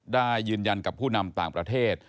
ได้ยืนยันกับผู้นำต่างประเทศ